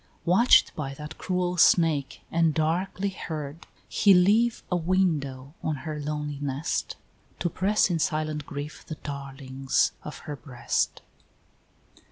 Watch'd by that cruel Snake and darkly heard, He leave a widow on her lonely nest, To press in silent grief the darlings of her breast.